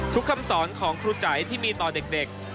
คำสอนของครูใจที่มีต่อเด็ก